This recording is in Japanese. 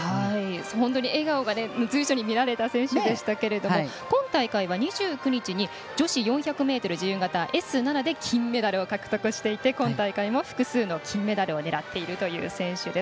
笑顔が随所に見られた選手でしたけれども今大会は２９日に女子４００ｍ自由形Ｓ７で金メダルを獲得していて今大会も複数の金メダルを狙っているという選手。